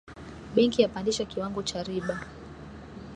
Benki yapandisha kiwango cha riba